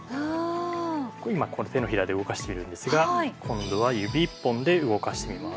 これ今この手のひらで動かしているんですが今度は指一本で動かしてみます。